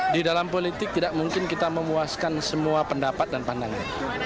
di dalam politik tidak mungkin kita memuaskan semua pendapat dan pandangan